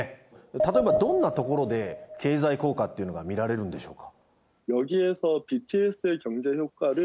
例えばどんなところで経済効果っていうのがみられるんでしょうか？